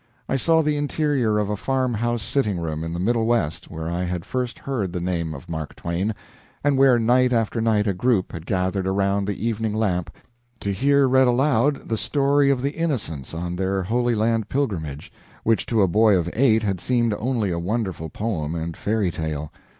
I saw the interior of a farm house sitting room in the Middle West where I had first heard the name of Mark Twain, and where night after night a group had gathered around the evening lamp to hear read aloud the story of the Innocents on their Holy Land pilgrimage, which to a boy of eight had seemed only a wonderful poem and fairy tale.